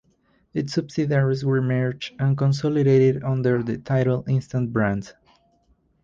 Its subsidiaries were merged and consolidated under the title "Instant Brands".